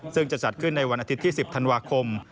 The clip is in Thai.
ซึ่งจะจัดขึ้นในวันอาทิตย์ที่๑๐ธันวาคม